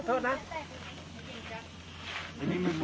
โปรดนะ